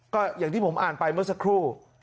ก็อย่างที่ผมอ่านไปเมื่อสักครู่